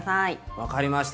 分かりました。